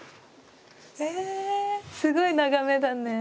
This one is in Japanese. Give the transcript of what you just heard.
ええすごい眺めだね。